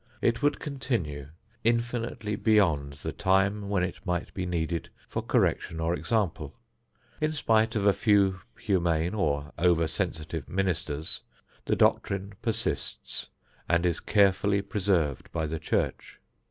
It would continue infinitely beyond the time when it might be needed for correction or example. In spite of a few humane or over sensitive ministers, the doctrine persists and is carefully preserved by the church.